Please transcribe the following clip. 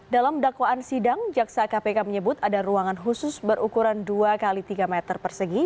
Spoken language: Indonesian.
dalam dakwaan sidang jaksa kpk menyebut ada ruangan khusus berukuran dua x tiga meter persegi